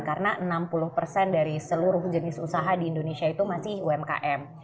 karena enam puluh dari seluruh jenis usaha di indonesia itu masih umkm